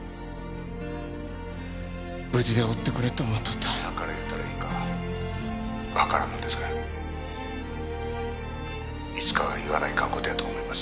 無事でおってくれって思っとった何から言うたらいいんか分からんのですがいつかは言わないかんことやと思います